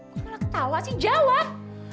aku malah ketawa sih jawab